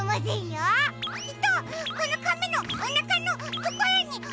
きっとこのかめのおなかのところに。